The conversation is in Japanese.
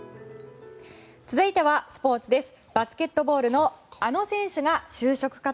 続いてはスポーツです。